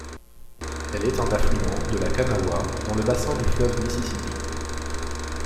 Elle est un affluent de la Kanawha dans le bassin du fleuve Mississippi.